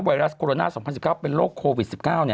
ไวรัสโคโรนาส์๒๐๑๙เป็นโรคโควิด๑๙